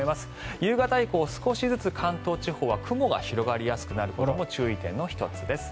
夕方以降、少しずつ関東地方は雲が広がりやすくなることも注意点の１つです。